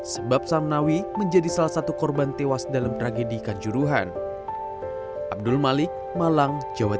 sebab samnawi menjadi salah satu korban tewas dalam tragedi kanjuruhan